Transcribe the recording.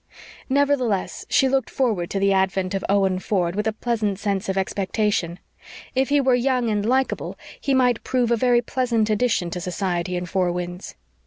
Nevertheless, she looked forward to the advent of Owen Ford with a pleasant sense of expectation. If he were young and likeable he might prove a very pleasant addition to society in Four Winds.